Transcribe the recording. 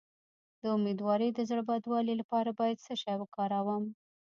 د امیدوارۍ د زړه بدوالي لپاره باید څه شی وکاروم؟